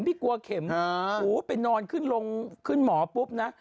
ไปนอนขึ้นลงขึ้นหมอปุ๊บนะ